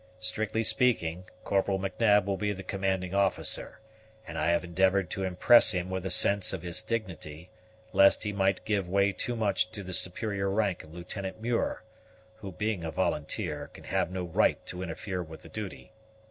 Strictly speaking, Corporal M'Nab will be the commanding officer, and I have endeavored to impress him with a sense of his dignity, lest he might give way too much to the superior rank of Lieutenant Muir, who, being a volunteer, can have no right to interfere with the duty.